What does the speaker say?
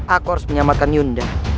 aku harus menyelamatkan yunda